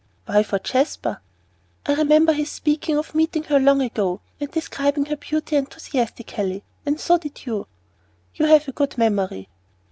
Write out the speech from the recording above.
"Why for Jasper?" "I remembered his speaking of meeting her long ago, and describing her beauty enthusiastically and so did you." "You have a good memory."